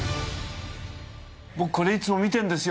僕これいつも見てんですよ